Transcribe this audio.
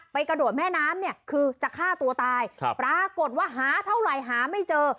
กระโดดแม่น้ำเนี่ยคือจะฆ่าตัวตายปรากฏว่าหาเท่าไหร่หาไม่เจอ